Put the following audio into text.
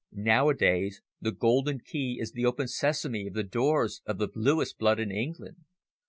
Nowadays, the golden key is the open sesame of the doors of the bluest blood in England.